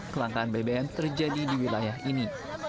kelangkaan bbm terjadi di wilayah ini